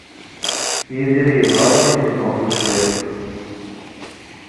Yidir yebɣa ad yesgunfu cwiṭ.